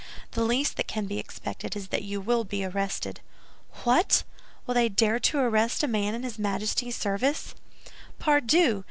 The least that can be expected is that you will be arrested." "What! Will they dare to arrest a man in his Majesty's service?" "_Pardieu!